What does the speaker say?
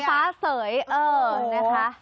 เหยฟ้าเส๋ยเอ่อนะคะ